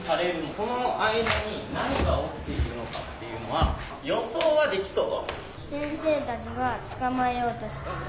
この間に何が起きているのかっていうのは予想はできそう？